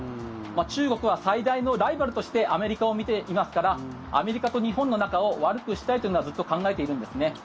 中国は最大のライバルとしてアメリカを見ていますからアメリカと日本の仲を悪くしたいというのはずっと考えているんですね。